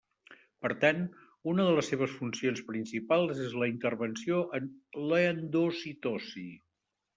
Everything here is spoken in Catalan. Per tant, una de les seves funcions principals és la intervenció en l’endocitosi.